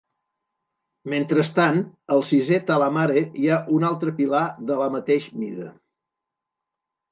Mentrestant, al sisè "talhamare" hi ha un altre pilar de la mateix mida.